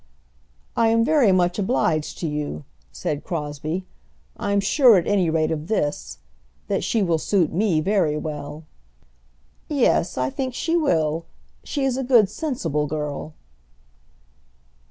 "I am very much obliged to you," said Crosbie. "I'm sure at any rate of this, that she will suit me very well." "Yes; I think she will. She is a good sensible girl."